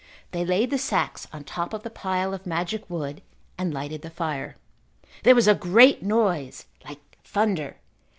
They laid the sacks on top of the pile of magic wood and lighted the fire. There was a great noise like thunder.